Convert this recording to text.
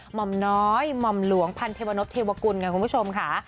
หมอมน้อยหม่อมหลวงพันเทวนพเทวกุลค่ะคุณผู้ชมค่ะ